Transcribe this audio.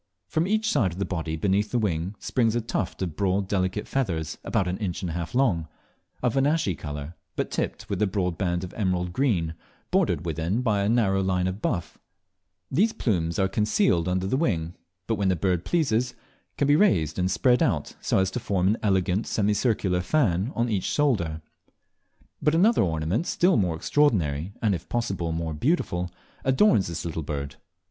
From each side of the body beneath the wing, springs a tuft of broad delicate feathers about an inch and a half long, of an ashy colour, but tipped with a broad band of emerald green, bordered within by a narrow line of buff: These plumes are concealed beneath the wing, but when the bird pleases, can be raised and spread out so as to form an elegant semicircular fan on each shoulder. But another ornament still more extraordinary, and if possible more beautiful, adorns this little bird.